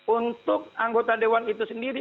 untuk anggota dewan itu sendiri